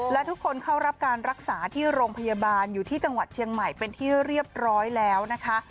และทุกคนเข้ารับการรักษาที่โรงพยาบาลอยู่ที่จังหวัดเชียงใหม่เป็นที่เรียบร้อยแล้วนะคะ